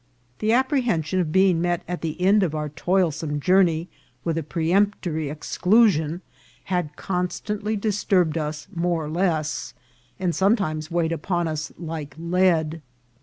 The apprehension of being met at the end of our toil some journey with a peremptory exclusion had con stantly disturbed us more or less, and sometimes weighed upon us like lead.